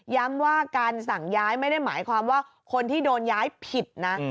ว่าการสั่งย้ายไม่ได้หมายความว่าคนที่โดนย้ายผิดนะ